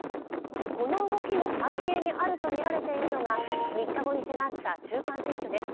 この動きの背景にあるとみられているのが、３日後に迫った中間選挙です。